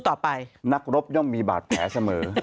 ต่อไปนักรบย่อมมีบาดแผลเสมอ